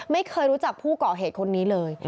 ไม่เคยรู้จักผู้ก่อเหตุคนนี้เลย